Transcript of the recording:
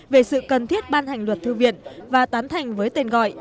về sự cần thiết ban hành luật thư viện và tán thành với tên gọi